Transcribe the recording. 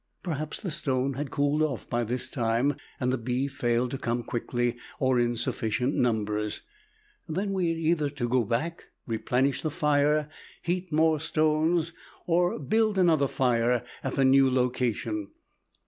Perhaps the stone had cooled off by this time and the bee failed to come quickly or in sufficient numbers. Then we had to either go back, replenish the fire, heat more stones, or build another fire at the new location.